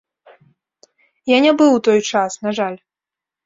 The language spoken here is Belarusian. Я не быў у той час, на жаль.